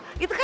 lihat deh pak